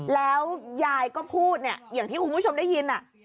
แล้วยายก็พูดเนี่ยอย่างที่คุณผู้ชมได้ยิน